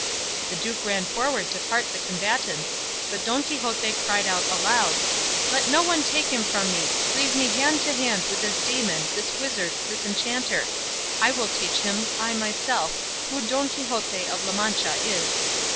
The duke ran forward to part the combatants, but Don Quixote cried out aloud, "Let no one take him from me; leave me hand to hand with this demon, this wizard, this enchanter; I will teach him, I myself, who Don Quixote of La Mancha is."